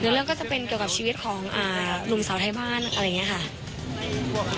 เรื่องก็จะเป็นเกี่ยวกับชีวิตของหนุ่มสาวไทยบ้านอะไรอย่างนี้ค่ะ